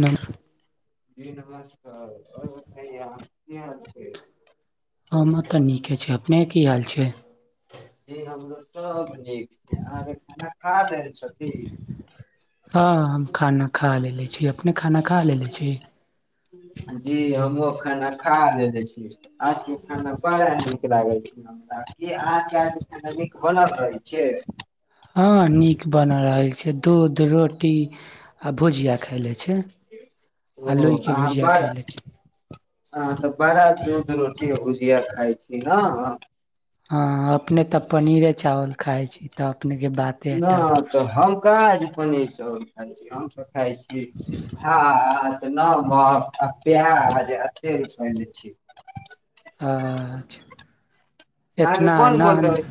नय जी नमस्कार आर बताइय कि हाल छै हमर तऽ नीके छै अपने की हाल छै ई हमरो सब नीक छै अहाँके खाना खा रहल छी कि हँ हम खाना खा लेले छी अपने खाना खा लेले छी जी हमो खाना खा लेले छी आज के खाना बड़ा निक लागै छै हमरा कि [unintelligible] नीक बोलल रहै छै हँ नीक बन रहल छै दूध रोटी आ भुजिया खाय ले छै आ ओहो लोई के आहा भुजिया बड़ खैले छै अहां तऽ बड़ रोटी भुजिया खाइ छी ने हँ अपने तऽ पनीरे चावल खाइ छी तऽ अपने के बाते हटा नय तऽ हम कहा आज पनीर चावल खाय छी हम त खाय छी भात नमक आ प्याज ज अथी आ तेल सनै छी अछ अहाँके इतना कोन कोन नय दवाइ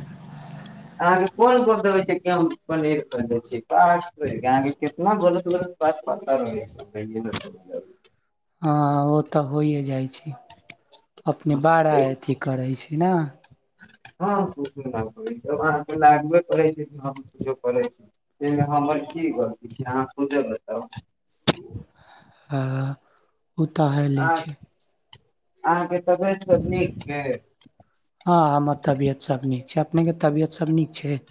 अहाँके कोन बोलबै देने छै केतना पनीर के केतना बोलत पात प र [unintelligible] हँ ओ तऽ होइए जाइ छै अपने बारा अथी करै छी ने हँ ख सुन्द ल लागबै कर हम करै छी तमे हमर की गलती छै अहाँ सोचल बताउ हं ओ तऽ ह ले अहाँ छै अहाँके तबियत सब नीक छै हँ हमर तबियत सब नीक छै अपनेके तबियत सब नीक छै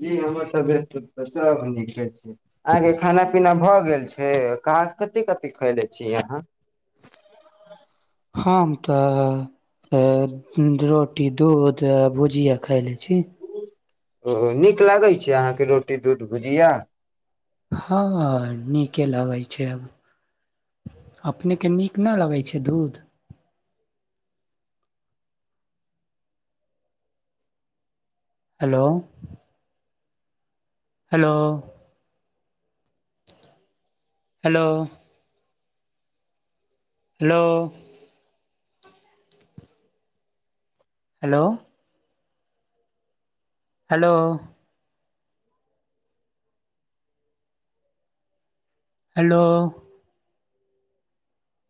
जी हमर सब तो बर निके छै आहा के खाना पीना भ गेल छै कथी कथि खएले छीयै अहाँ हम तऽ अ रो टी दूध आ भुजिया खायले छी ओ नीक लागै छै अहाँके रोटी दूध भुजिया हँ नीके लगै छै अब अपने के नीक नय लगै छै दूध hello hello hello hello hello hello hello